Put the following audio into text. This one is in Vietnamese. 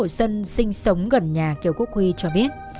các cư dân sinh sống gần nhà kiều quốc huy cho biết